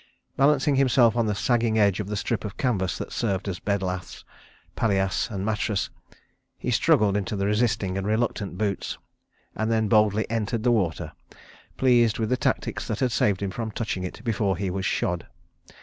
Balancing himself on the sagging edge of the strip of canvas that served as bed laths, palliasse and mattress, he struggled into the resisting and reluctant boots, and then boldly entered the water, pleased with the tactics that had saved him from touching it before he was shod.